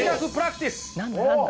何だ？